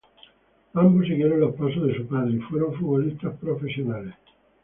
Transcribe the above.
Ambos siguieron los pasos de su padre y fueron futbolistas profesionales.